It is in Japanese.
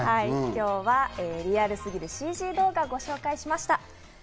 今日はリアルすぎるＣＧ動画をご紹介しました。